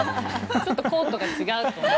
ちょっとコートが違うと思う。